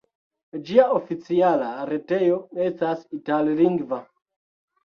Ĝia oficiala retejo estas itallingva.